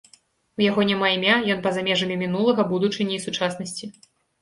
У яго няма імя, ён па-за межамі мінулага, будучыні і сучаснасці.